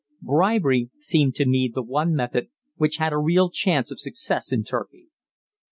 Bribery seemed to me the one method which had a real chance of success in Turkey.